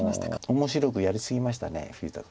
面白くやり過ぎました富士田君。